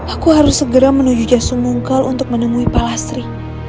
aku harus segera menuju jasungungkal untuk menemui pak lastri